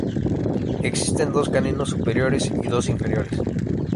Existen dos caninos superiores y dos inferiores.